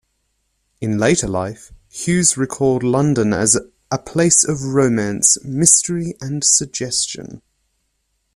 In later life, Hughes recalled London as "a place of romance, mystery and suggestion".